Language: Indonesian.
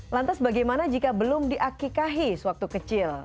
lantas bagaimana jika belum diakikahi sewaktu kecil